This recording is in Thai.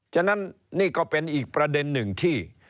ฉะนั้นนี่ก็เป็นอีกประเด็นหนึ่งที่